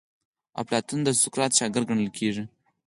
افلاطون د سقراط شاګرد ګڼل کیږي.